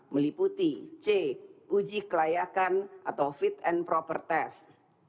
meliputi c uji kelayakan atau fit and proper test